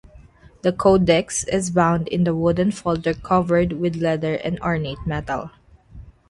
The codex is bound in a wooden folder covered with leather and ornate metal.